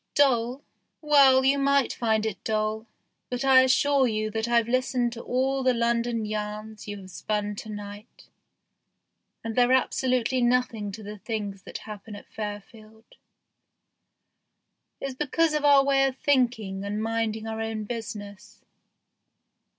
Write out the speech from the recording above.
Dull ? Well, you might find it dull, but I assure you that I've listened to all the London yarns you have spun to night, and they're absolutely nothing to the things that happen at Fairfield. It's because of our way of thinking and minding our own business.